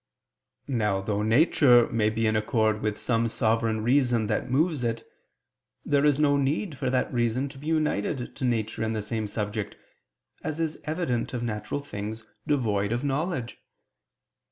Now though nature may be in accord with some sovereign reason that moves it, there is no need for that reason to be united to nature in the same subject, as is evident of natural things devoid of knowledge.